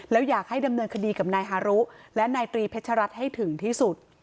แล้วอยากให้ดำเนินคดีกับนายฮารุและนายตรีเพชรัตน์ให้ถึงที่สุด